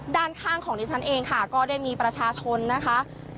ด้านข้างของดิฉันเองค่ะก็ได้มีประชาชนนะคะ